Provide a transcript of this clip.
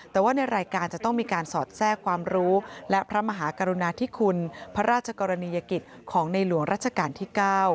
แต่ว่าในรายการจะต้องมีการสอดแทรกความรู้และพระมหากรุณาธิคุณพระราชกรณียกิจของในหลวงรัชกาลที่๙